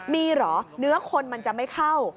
มีเหรอเนื้อคนมันจะไม่เข้า